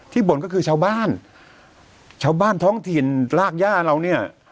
บ่นก็คือชาวบ้านชาวบ้านท้องถิ่นรากย่าเราเนี่ย